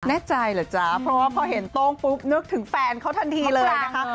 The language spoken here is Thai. แน่ใจเหรอจ๊ะเพราะว่าพอเห็นโต้งปุ๊บนึกถึงแฟนเขาทันทีเลยนะคะ